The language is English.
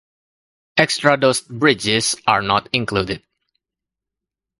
Extradosed bridges are not included.